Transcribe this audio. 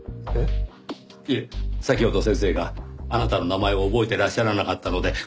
いえ先ほど先生があなたの名前を覚えてらっしゃらなかったので。